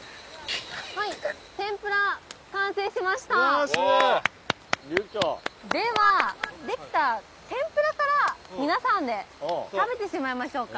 うおー。ではできた天ぷらから皆さんで食べてしまいましょうか。